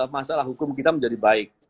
masalah hukum kita menjadi baik